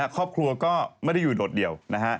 ครอบครัวก็ไม่ได้อยู่โดดเดียวนะฮะ